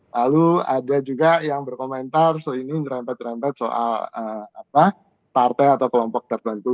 lalu ada juga yang berkomentar soal ini rempet rempet soal partai atau kelompok tertentu